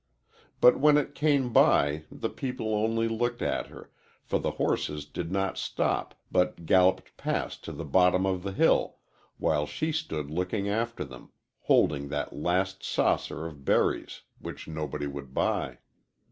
But when it came, the people only looked at her, for the horses did not stop, but galloped past to the bottom of the hill, while she stood looking after them, holding that last saucer of berries, which nobody would buy.